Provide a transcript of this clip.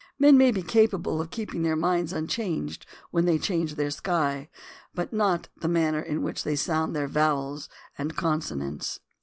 Men may be capable of keeping their minds unchanged when they change their sky, but not the manner in which they sound their vowels and consonants.